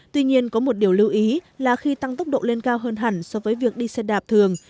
tuy nhiên có một điều lưu ý là khi tăng tốc độ lên cao hơn hẳn so với việc đi xe đạp thường